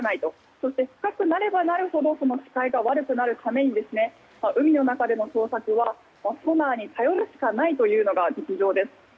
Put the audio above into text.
そして深くなればなるほど視界が悪くなるために海の中での捜索はソナーに頼るしかないというのが実情です。